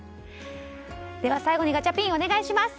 最後にガチャピンお願いします。